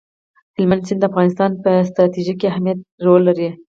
هلمند سیند د افغانستان په ستراتیژیک اهمیت کې رول لري.